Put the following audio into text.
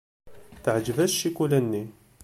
Teɛjeb-as ccikula-nni.